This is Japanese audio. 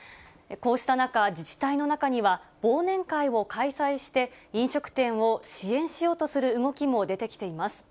こうした中、自治体の中には、忘年会を開催して、飲食店を支援しようとする動きも出てきています。